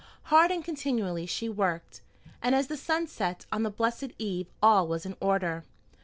Hard and continually she worked, and as the sun set on the blessed eve all was in order.